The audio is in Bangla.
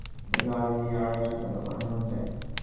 দেওয়ানজিকে ডেকে হুকুম হল– বৈকুণ্ঠকে আজই আড়াইশো টাকা পাঠানো চাই।